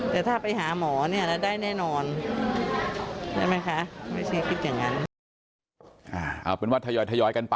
แต่ถ้าไปหาหมอเนี่ยแล้วได้แน่นอน